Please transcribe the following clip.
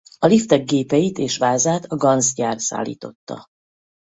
A liftek gépeit és vázát a Ganz gyár szállította.